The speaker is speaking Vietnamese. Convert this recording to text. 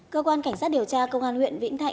cơ quan cảnh sát điều tra công an huyện vĩnh thạnh